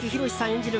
演じる